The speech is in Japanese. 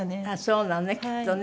そうなのねきっとね。